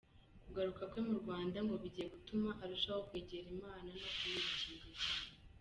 Kugaruka kwe mu Rwanda ngo bigiye gutuma arushaho kwegera Imana no kuyinginga cyane.